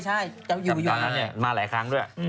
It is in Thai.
จำตอนนั้นมาหลายครั้งด้วย